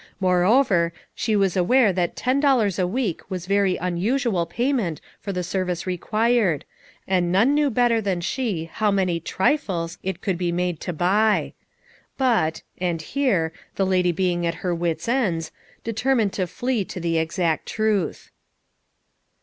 Moreover, she was aware that ten dollars a week was very unusual payment for the service required, and none knew better than she how many "trifles" it could be made 262 FOUR MOTHERS AT CHAUTAUQUA to buy; but — and here — the lady being at her wits' ends, determined to flee to the exact truth.